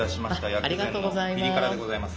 薬膳のピリ辛でございます。